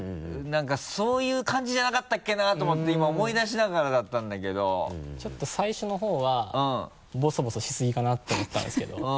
なんかそういう感じじゃなかったっけなと思って今思い出しながらだったんだけどちょっと最初の方はぼそぼそしすぎかなって思ったんですけど。